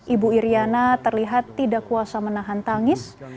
ibu iryana terlihat tidak kuasa menahan tangis